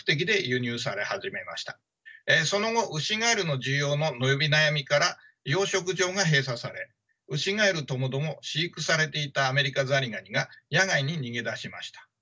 その後ウシガエルの需要の伸び悩みから養殖場が閉鎖されウシガエルともども飼育されていたアメリカザリガニが野外に逃げ出しました。